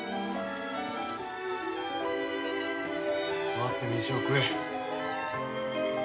座って飯を食え。